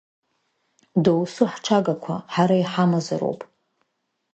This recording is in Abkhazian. Доусы ҳҽагақәа ҳара иҳамазароуп.